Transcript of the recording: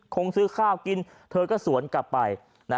คงซื้อข้าวกินเธอก็สวนกลับไป